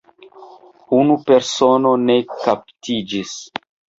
Unu persono ne kaptiĝis.